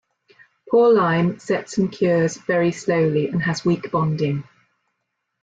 Poor lime sets and cures very slowly and has weak bonding.